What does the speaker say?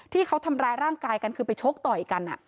ที่เขาทำร้ายร่างกายกันคือไปชกต่อยกัน